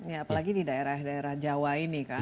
ya apalagi di daerah daerah jawa ini kan